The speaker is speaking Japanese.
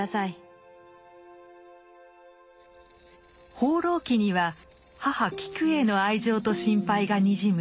「放浪記」には母・キクへの愛情と心配がにじむ